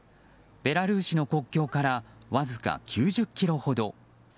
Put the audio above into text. ベラルーシの国境からわずか９０ｋｍほど。